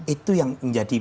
itu yang menjadi